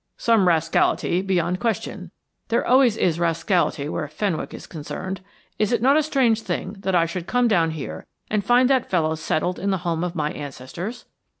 "Some rascality, beyond question. There always is rascality where Fenwick is concerned. Is it not a strange thing that I should come down here and find that fellow settled in the home of my ancestors?"